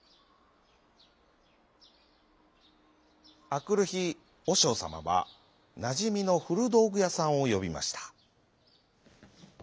あくるひおしょうさまはなじみのふるどうぐやさんをよびました。